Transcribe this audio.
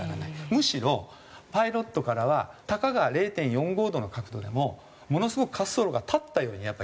むしろパイロットからはたかが０．４５度の角度でもものすごく滑走路が立ったようにやっぱり危険な着陸だと。